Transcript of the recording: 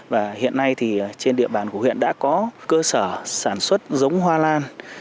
và hiện nay thì trên địa bàn của huyện đã có cơ sở sản xuất giống hoa lan